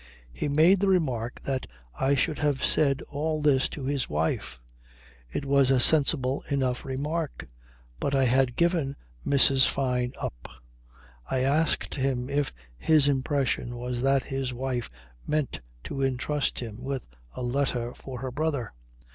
He made the remark that I should have said all this to his wife. It was a sensible enough remark. But I had given Mrs. Fyne up. I asked him if his impression was that his wife meant to entrust him with a letter for her brother?